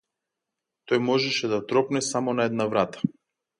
Тој можеше да тропне само на една врата.